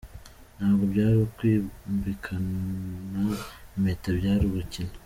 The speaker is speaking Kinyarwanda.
Ntabwo byari ukwambikana impeta, byari ugukina.